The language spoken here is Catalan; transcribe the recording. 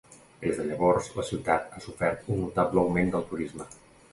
Des de llavors, la ciutat ha sofert un notable augment del turisme.